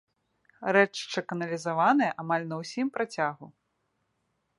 Рэчышча каналізаванае амаль на ўсім працягу.